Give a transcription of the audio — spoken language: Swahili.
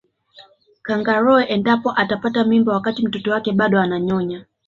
kangaroo endapo atapata mimba wakati mtoto wake bado ananyonya